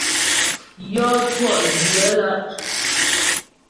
Yɔ́ twɔ̂'dyə̌ lá'.